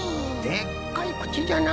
でっかいくちじゃな。